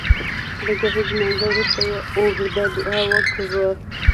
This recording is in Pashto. د ګهیځ لمانځه وروسته يې اوږده دعا وکړه